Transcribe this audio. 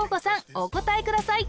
お答えください